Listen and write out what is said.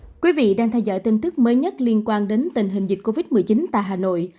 quý vị đang theo dõi tin tức mới nhất liên quan đến tình hình dịch covid một mươi chín tại hà nội